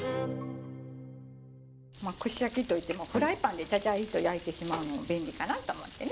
串焼きといってもフライパンでちゃちゃいと焼いてしまうの便利かなと思ってね。